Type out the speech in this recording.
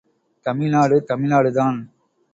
தமிழ்நாடு தமிழ்நாடு தான்!